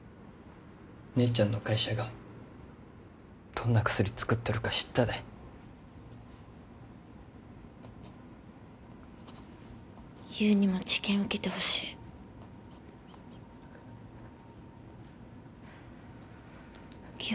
姉ちゃんの会社がどんな薬作っとるか知ったで優にも治験受けてほしい記憶